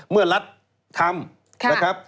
เมื่อลัฐฯทำ